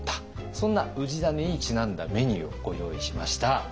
そんな氏真にちなんだメニューをご用意しました。